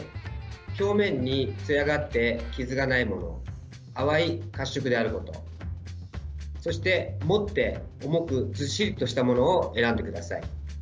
表面につやがあって傷がないもの淡い褐色であること持って重くずっしりとしたものを選んでください。